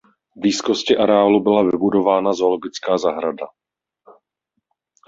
V blízkosti areálu byla vybudována zoologická zahrada.